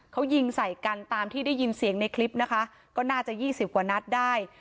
เขายิงใส่กันตามที่ได้ยินเสียงในคลิปนะคะก็น่าจะยี่สิบกว่านัดได้